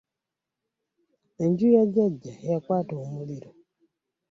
Enju ya jjaja yakwata omuliro.